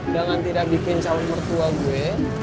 dengan tidak bikin calon mertua gue